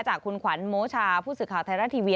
จากคุณขวัญโมชาผู้สื่อข่าวไทยรัฐทีวี